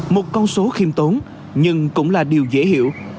một con số khiêm tốn nhưng cũng là điều dễ hiểu